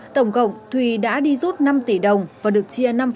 tổng cộng thùy đã đi rút năm tỷ đồng và được chia năm